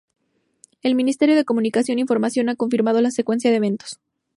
El Ministerio de Comunicación e Información ha confirmado la secuencia de eventos.